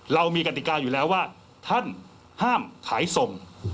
เรามีกติกาอยู่แล้วว่าท่านห้ามขายส่ง